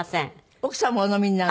奥様お飲みになる？